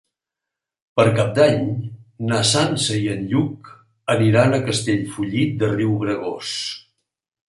Per Cap d'Any na Sança i en Lluc aniran a Castellfollit de Riubregós.